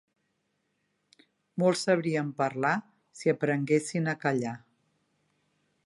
Molts sabrien parlar si aprenguessin a callar.